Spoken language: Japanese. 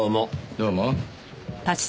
どうも。